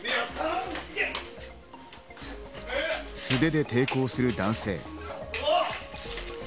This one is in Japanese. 素手で抵抗する男性。